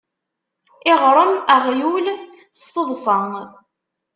Iɣṛem aɣyul, s teḍṣa.